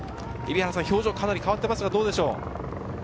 表情はかなり変わっていますが、どうでしょう。